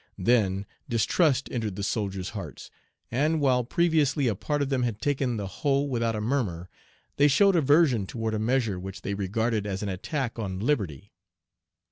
Then distrust entered the soldiers' hearts, and while previously a part of them had taken the hoe without a murmur, they showed aversion toward a measure which they regarded as an attack on liberty.